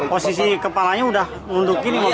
posisi kepalanya udah untuk gini mobilnya